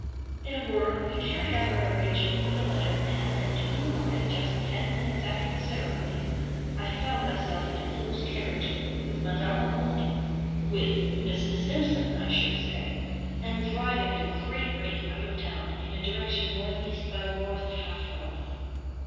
In a word, we carried out our arrangement to the letter, and, at two in the morning, just ten minutes after the ceremony, I found myself in a close carriage with Madame Lalande—with Mrs. Simpson, I should say—and driving at a great rate out of town, in a direction northeast by north, half north.